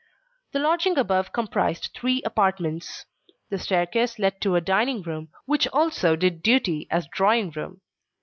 The lodging above comprised three apartments. The staircase led to a dining room which also did duty as drawing room.